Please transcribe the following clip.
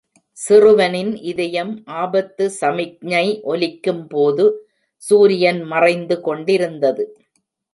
சிறுவனின் இதயம் ஆபத்து சமிக்ஞை ஒலிக்கும் போது, சூரியன் மறைந்து கொண்டிருந்தது.